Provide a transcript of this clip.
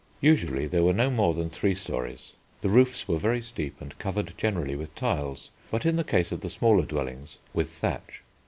Usually there were no more than three storeys. The roofs were very steep and covered generally with tiles, but in the case of the smaller dwellings with thatch.